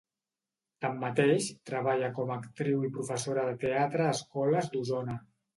Tanmateix, treballa com a actriu i professora de teatre a escoles d'Osona.